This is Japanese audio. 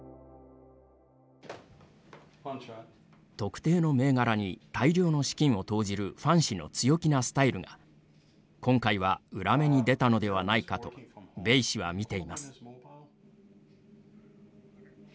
特定の銘柄に大量の資金を投じるファン氏の強気なスタイルが今回は裏目に出たのではないかとベイ氏は見ています。